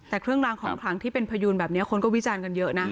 แต่เครื่องรางของขลังที่เป็นพยูนแบบนี้คนก็วิจารณ์กันเยอะนะ